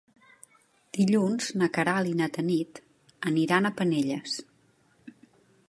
Dilluns na Queralt i na Tanit aniran a Penelles.